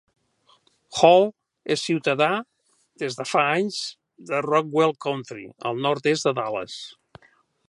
Hall és ciutadà des de fa anys de Rockwall County, al nord-est de Dallas.